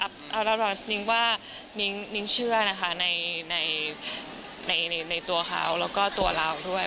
เอานิ้งว่านิ้งเชื่อนะคะในตัวเขาแล้วก็ตัวเราด้วย